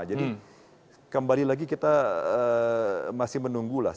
jadi kembali lagi kita masih menunggulah